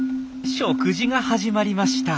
食事が始まりました。